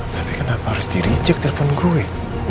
tapi kenapa harus dirijik telepon gue